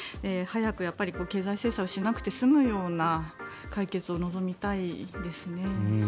早く経済制裁をしなくて済むような解決を望みたいですね。